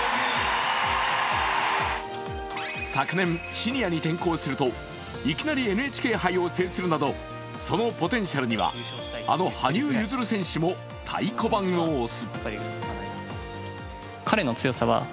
昨年シニアに転向するといきなりＮＨＫ杯を制するなどそのポテンシャルにはあの羽生結弦選手も太鼓判を押す。